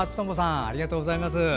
ありがとうございます。